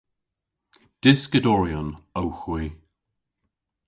Dyskadoryon owgh hwi.